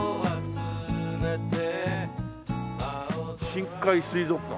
「深海水族館」